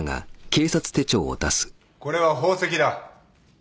これは宝石だ。